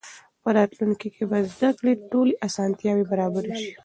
په راتلونکي کې به د زده کړې ټولې اسانتیاوې برابرې سي.